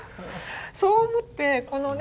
そう思ってこのね